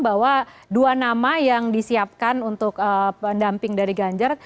bahwa dua nama yang disiapkan untuk pendamping dari ganjar